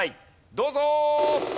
どうぞ！